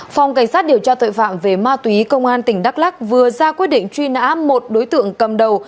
phòng cảnh sát điều tra tội phạm về ma túy công an tỉnh đắk lắc vừa ra quyết định truy nã một đối tượng cầm đầu